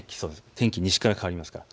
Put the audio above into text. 天気西から変わりますから。